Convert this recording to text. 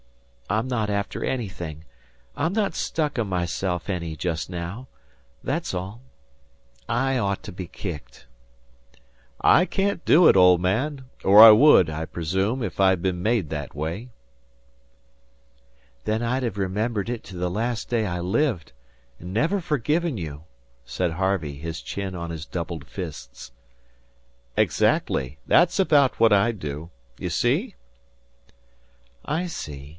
I'm not after anything. I'm not stuck on myself any just now that's all. ... I ought to be kicked." "I can't do it, old man; or I would, I presume, if I'd been made that way." "Then I'd have remembered it to the last day I lived and never forgiven you," said Harvey, his chin on his doubled fists. "Exactly. That's about what I'd do. You see?" "I see.